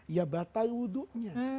ya batal wuduknya